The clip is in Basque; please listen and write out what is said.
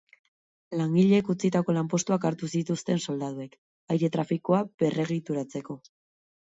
Langileek utzitako lanpostuak hartu zituzten soldaduek, aire trafikoa berregituratzeko.